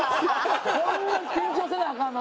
こんな緊張せなアカンの？